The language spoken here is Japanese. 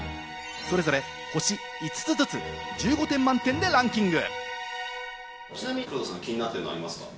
それぞれ星５つずつ、１５点満点でランキング。